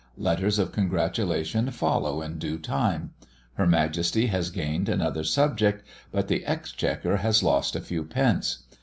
Letters of congratulation follow in due time. Her Majesty has gained another subject, but the Exchequer has lost a few pence.